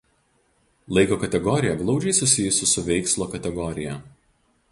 Laiko kategorija glaudžiai susijusi su veikslo kategorija.